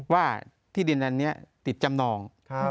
ว่าที่ดินอันนี้ติดจำนอง